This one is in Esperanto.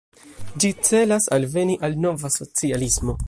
Ĝi celas alveni al nova socialismo.